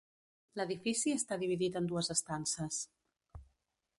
L'edifici està dividit en dues estances.